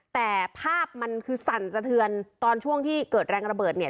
แต่ภาพมันคือสั่นสะเทือนตอนช่วงที่เกิดแรงระเบิดเนี่ย